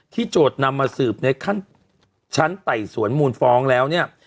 โจทย์นำมาสืบในขั้นชั้นไต่สวนมูลฟ้องแล้วเนี่ย